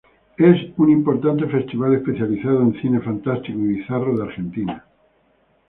Es un importante festival especializado en cine fantástico y bizarro de Argentina.